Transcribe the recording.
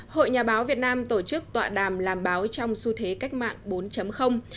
hội nhà báo việt nam tổ chức tọa đàm làm báo trong xu thế cách mạng bốn